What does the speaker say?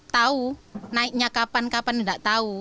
tahu naiknya kapan kapan tidak tahu